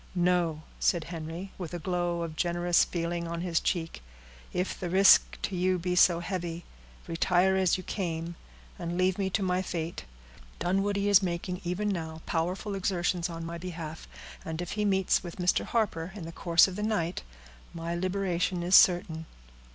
"No," said Henry, with a glow of generous feeling on his cheek, "if the risk to yourself be so heavy, retire as you came, and leave me to my fate. Dunwoodie is making, even now, powerful exertions in my behalf; and if he meets with Mr. Harper in the course of the night, my liberation is certain."